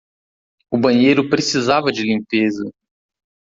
O banheiro precisava de limpeza.